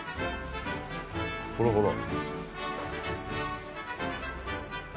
ほらほら。